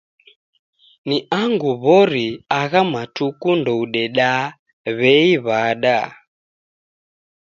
Ni angu w'ori agha matuku ndoudedaa w'ei w'ada.